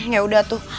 ya udah tuh